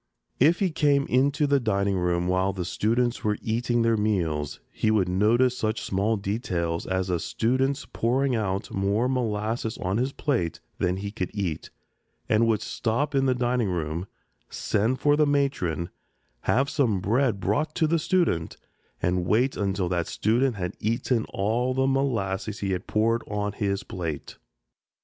If he came into the dining room while the students were eating their meals, he would notice such small details as a student's pouring out more molasses on his plate than he could eat and would stop in the dining room, send for the matron, have some bread brought to the student, and wait until that student had eaten all the molasses he had poured on his plate.